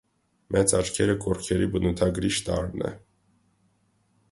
Մեծ աչքերը կուռքերի բնութագրիչ տարրն է։